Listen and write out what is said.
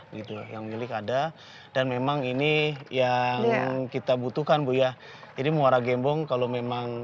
gitu yang milik ada dan memang ini yang kita butuhkan bu ya jadi muara gembong kalau memang